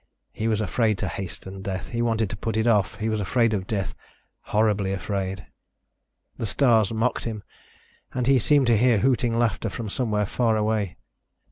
He was afraid to hasten death. He wanted to put it off. He was afraid of death ... horribly afraid. The stars mocked him and he seemed to hear hooting laughter from somewhere far away.